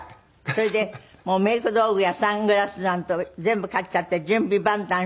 それでメイク道具やサングラスなんて全部買っちゃって準備万端。